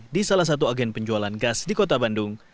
di salah satu agen penjualan gas di kota bandung